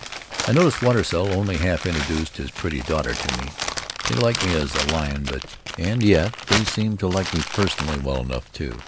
I noticed Watersell only half introduced his pretty daughter to me, they like me as a lion but——And yet they seem to like me personally well enough, too.